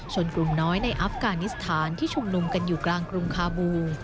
กลุ่มน้อยในอัฟกานิสถานที่ชุมนุมกันอยู่กลางกรุงคาบู